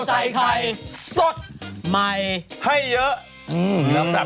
สวัสดีครับ